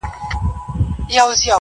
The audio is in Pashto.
په دې پوهېږمه چي ستا د وجود سا به سم.